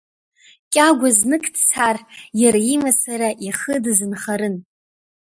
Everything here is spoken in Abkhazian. Кьагәа знык дцар, иара имацара ихы дазынхарын.